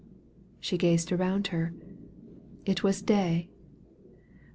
She gazed around her — ^it was day.